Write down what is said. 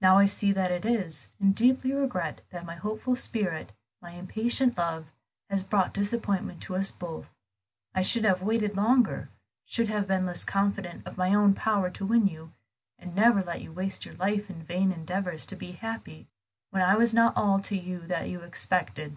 "Now I see that it is, and deeply regret that my hopeful spirit, my impatient love, has brought disappointment to us both. I should have waited longer, should have been less confident of my own power to win you, and never let you waste your life in vain endeavors to be happy when I was not all to you that you expected.